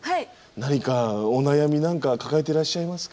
何かお悩みなんか抱えてらっしゃいますか？